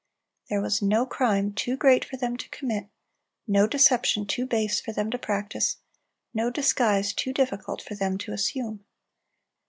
There was no crime too great for them to commit, no deception too base for them to practise, no disguise too difficult for them to assume.